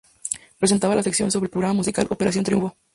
Presentaba la sección sobre el programa musical "Operación Triunfo".